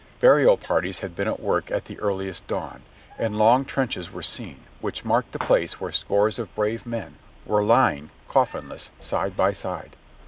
Burial parties had been at work at the earliest dawn, and long trenches were seen, which iijarked the place where scores of brave men were lying coffinless side by side.